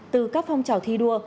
từ các phong trào thi đua